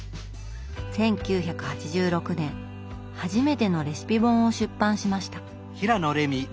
１９８６年初めてのレシピ本を出版しました。